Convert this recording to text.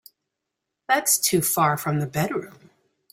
That's too far from the bedroom.